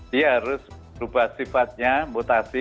dia harus berubah sifatnya mutasi